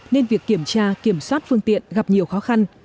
nên việc kiểm tra kiểm soát phương tiện gặp nhiều khó khăn